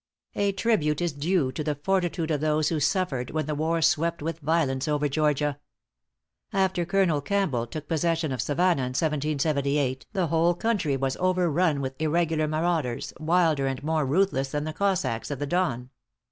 A tribute is due to the fortitude of those who suffered when the war swept with violence over Georgia. After Colonel Campbell took possession of Savannah in 1778, the whole country was overrun with irregular marauders, wilder and more ruthless.than the Cossacks of the Don.